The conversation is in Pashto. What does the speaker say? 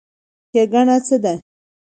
ښېګڼه څه ده؟